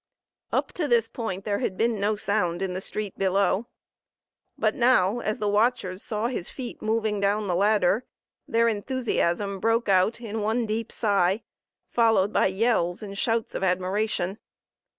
Up to this point there had been no sound in the street below. But now, as the watchers saw his feet moving down the ladder, their enthusiasm broke out in one deep sigh, followed by yells and shouts of admiration.